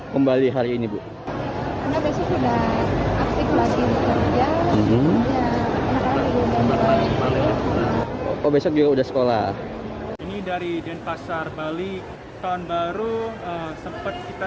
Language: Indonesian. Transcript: kembali hari ini bu kenapa besok juga udah sekolah ini dari denpasar bali tahun baru sempat kita